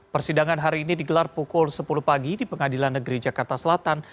persidangan hari ini digelar pukul sepuluh pagi di pengadilan negeri jakarta selatan